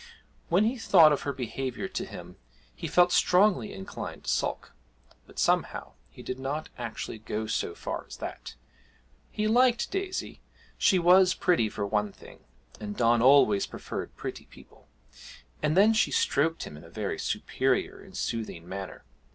When he thought of her behaviour to him he felt strongly inclined to sulk, but somehow he did not actually go so far as that. He liked Daisy; she was pretty for one thing, and Don always preferred pretty people, and then she stroked him in a very superior and soothing manner.